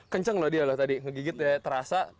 kenceng loh dia loh tadi ngegigit ya terasa